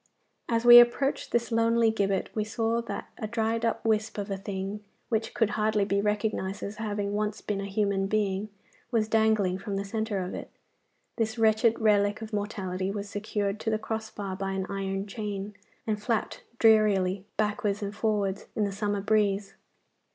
As we approached this lonely gibbet we saw that a dried up wisp of a thing which could hardly be recognised as having once been a human being was dangling from the centre of it. This wretched relic of mortality was secured to the cross bar by an iron chain, and flapped drearily backwards and forwards in the summer breeze.